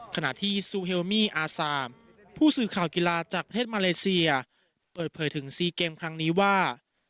ขณะที่ซูเฮลมี่อาซามผู้สื่อข่าวกีฬาจากประเทศมาเลเซียเปิดเผยถึง๔เกมครั้งนี้ว่า